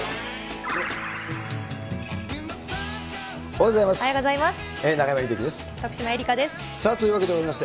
おはようございます。